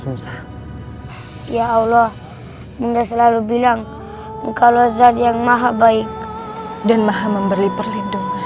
sungsang ya allah menda selalu bilang engkau lozat yang maha baik dan maha memberi perlindungan